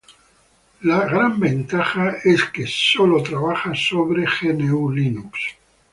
La desventaja es que todo esto trabaja sólo sobre Linux.